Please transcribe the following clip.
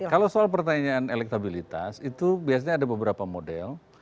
kalau soal pertanyaan elektabilitas itu biasanya ada beberapa model